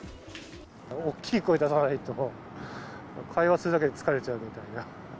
大きい声出さないと、会話するだけで疲れちゃうみたいな。